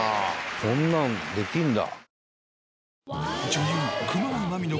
こんなのできるんだ。